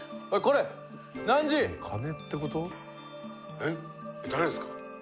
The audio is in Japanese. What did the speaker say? えっ誰ですか？